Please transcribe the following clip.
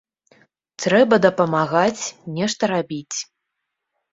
Трэба дапамагаць, нешта рабіць.